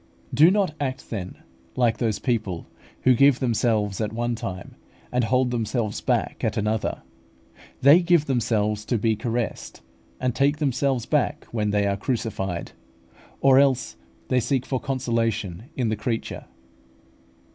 Do not act, then, like those people who give themselves at one time, and take themselves back at another. They give themselves to be caressed, and take themselves back when they are crucified; or else they seek for consolation in the creature.